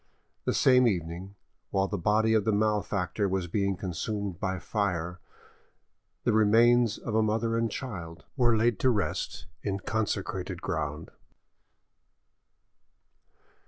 The same evening, while the body of the malefactor was being consumed by fire, the remains of a mother and child were laid to rest in consecrated ground.